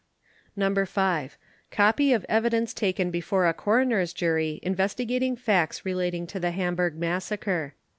No. 5. Copy of evidence taken before a coroner's jury investigating facts relating to the Hamburg massacre.